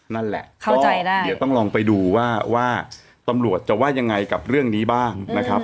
นั่นแหละเข้าใจได้เดี๋ยวต้องลองไปดูว่าว่าตำรวจจะว่ายังไงกับเรื่องนี้บ้างนะครับ